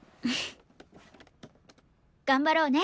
頑張ろうね